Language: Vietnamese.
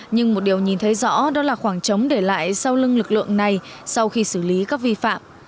nhưng một điều nhìn thấy rõ đó là khoảng trống để lại sau lưng lực lượng này sau khi xử lý các vi phạm